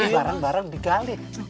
ini barang barang digalih